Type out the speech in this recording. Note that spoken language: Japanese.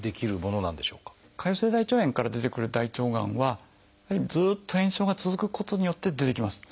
潰瘍性大腸炎から出てくる大腸がんはずっと炎症が続くことによって出てきます。